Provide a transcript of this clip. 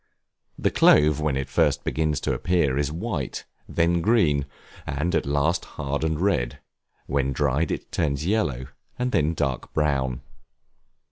The clove when it first begins to appear is white, then green, and at last hard and red; when dried, it turns yellow, and then dark brown.